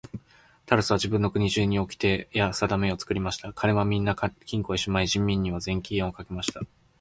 タラスは自分の国中におきてやさだめを作りました。金はみんな金庫へしまい、人民には税金をかけました。